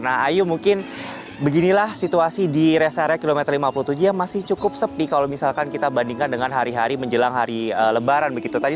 nah ayu mungkin beginilah situasi di rest area kilometer lima puluh tujuh yang masih cukup sepi kalau misalkan kita bandingkan dengan hari hari menjelang hari lebaran begitu tadi